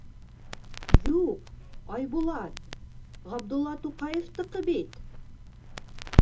— Юҡ, Айбулат, Ғабдулла Туҡаевтыҡы бит.